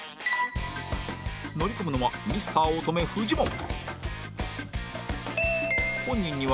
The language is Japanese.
乗り込むのはミスター乙女フジモン